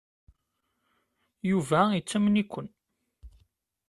Yuba yettamen-iken.